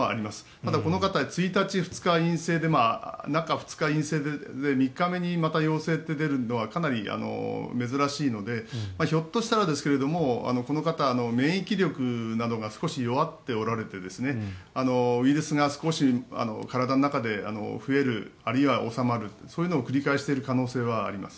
ただ、この方１日、２日陰性で中２日、陰性で３日目にまた陽性と出るのはかなり珍しいのでひょっとしたらですけれどもこの方は免疫力などが少し弱っておられてウイルスが少し体の中で増える、あるいは収まるそういうのを繰り返している可能性はあります。